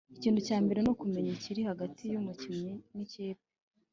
Ikintu cya mbere nukumenya ikiri hagati y’umukinnyi n’ikipe